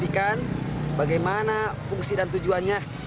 tapi kan bagaimana fungsi dan tujuannya